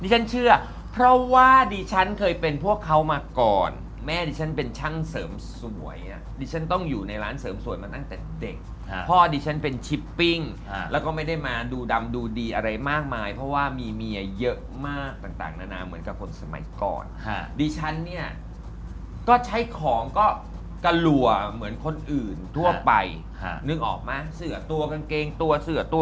ฉันเชื่อเพราะว่าดิฉันเคยเป็นพวกเขามาก่อนแม่ดิฉันเป็นช่างเสริมสวยอ่ะดิฉันต้องอยู่ในร้านเสริมสวยมาตั้งแต่เด็กพ่อดิฉันเป็นชิปปิ้งแล้วก็ไม่ได้มาดูดำดูดีอะไรมากมายเพราะว่ามีเมียเยอะมากต่างนานาเหมือนกับคนสมัยก่อนดิฉันเนี่ยก็ใช้ของก็กระหลัวเหมือนคนอื่นทั่วไปนึกออกมั้ยเสือตัวกางเกงตัวเสือตัว